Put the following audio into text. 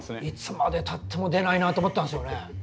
いつまでたっても出ないなと思ってたんですよね。